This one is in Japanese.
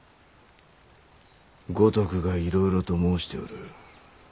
五徳がいろいろと申しておる。